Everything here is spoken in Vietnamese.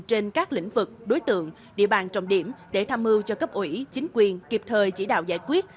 trên các lĩnh vực đối tượng địa bàn trọng điểm để tham mưu cho cấp ủy chính quyền kịp thời chỉ đạo giải quyết